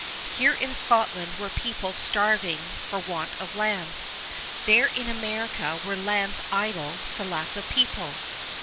Here in Scotland were people starving for want of land. There in America were lands idle for lack of people.